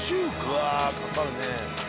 うわかかるね。